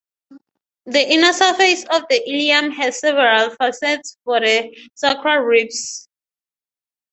The inner surface of the ilium has several facets for the sacral ribs.